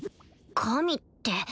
神って